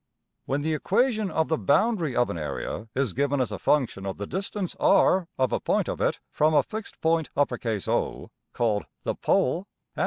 } When the equation of the boundary of an area is given as a function of the distance~$r$ of a point of it from a fixed point~$O$ (see \Fig) called the \emph{pole}, and \Figure[2.